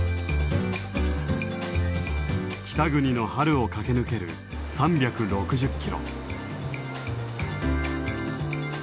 北国の春を駆け抜ける３６０キロ。